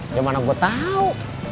ya mana gue tau